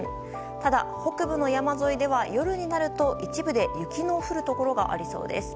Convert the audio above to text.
ただ、北部の山沿いでは夜になると一部で雪の降るところがありそうです。